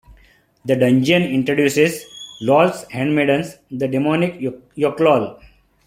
The dungeon introduces Lolth's handmaidens, the demonic Yochlol.